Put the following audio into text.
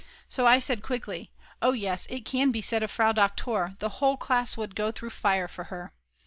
So I said quickly: "Oh yes, it can be said of Frau Doktor, the whole class would go through fire for her."